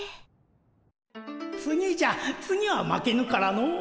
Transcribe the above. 次じゃ次は負けぬからの。